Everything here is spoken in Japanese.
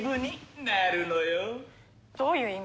どういう意味？